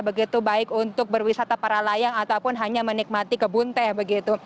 begitu baik untuk berwisata para layang ataupun hanya menikmati kebun teh begitu